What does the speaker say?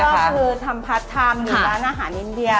ก็คือทำพัดทำอยู่ร้านอาหารอินเดีย